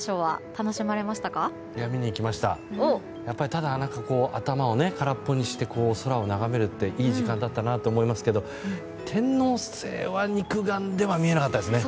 ただ頭を空っぽにして空を眺めるっていい時間だったなと思いますけれども天王星は肉眼では見えなかったですね。